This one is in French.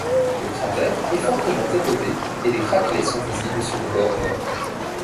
Le cratère est fortement érodée et des craquelets sont visibles sur le bord nord.